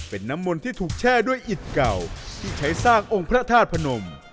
เป็นน้ำมนต์ที่ถูกแช่ด้วยอิดเก่าที่ใช้สร้างองค์พระธาตุพนม